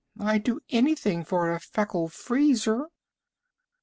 I'd do anything for a Feckle Freezer!"